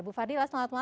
bu fardila selamat malam